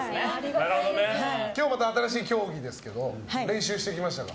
今日また新しい競技ですけど練習してきましたか？